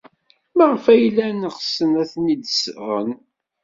Maɣef ay llan ɣsen ad ten-id-sɣen?